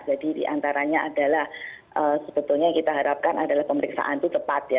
jadi diantaranya adalah sebetulnya yang kita harapkan adalah pemeriksaan itu tepat ya